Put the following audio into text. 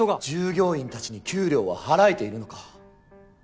従業員たちに給料は払えているのか？